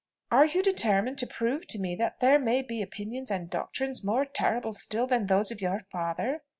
Are you determined to prove to me that there may be opinions and doctrines more terrible still than those of your father?"